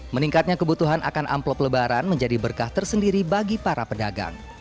meningkatnya kebutuhan akan amplop lebaran menjadi berkah tersendiri bagi para pedagang